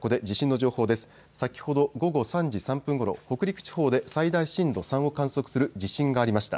先ほど午後３時３分ごろ、北陸地方で最大震度３を観測する地震がありました。